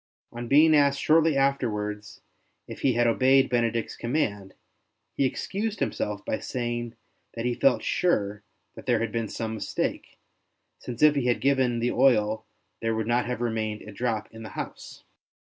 On being asked shortly afterwards if he had obeyed Benedict's command, he excused himself by saying that he felt sure that there had been some mistake, since if he had given the oil there would not have remained a drop in the house.